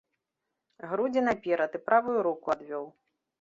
Грудзі наперад і правую руку адвёў.